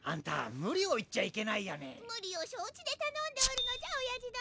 ムリをしょう知でたのんでおるのじゃおやじ殿。